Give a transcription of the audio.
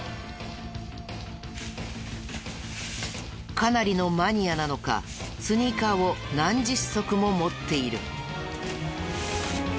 かなりのマニアなのかスニーカーを何十足も持っている。